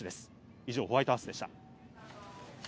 以上、ホワイトハウスでした。